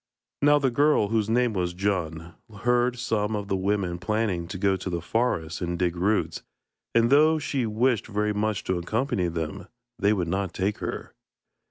Now the girl, whose name was Djun, heard some of the women planning to go to the forest and dig roots, and though she wished very much to accompany them, they would not take her.